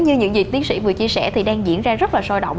như những gì tiến sĩ vừa chia sẻ thì đang diễn ra rất là sôi động